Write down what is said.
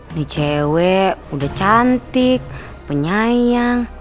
ini cewek udah cantik penyayang